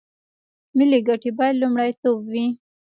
ملي ګټې باید لومړیتوب وي